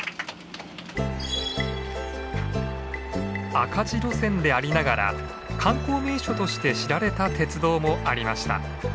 赤字路線でありながら観光名所として知られた鉄道もありました。